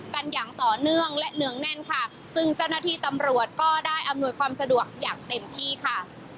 กันอย่างต่อเนื่องและเนืองแน่นค่ะซึ่งเจ้าหน้าที่ตำรวจก็ได้อำนวยความสะดวกอย่างเต็มที่ค่ะ